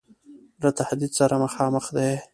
له تهدید سره مخامخ دی.